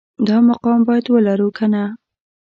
دا مقام باید ولرو که نه